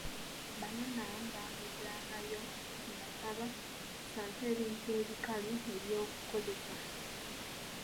Bano nno abamu baamuleeterangayo ku mataaba ssaako ebintu ebikalu ebyokukozesa.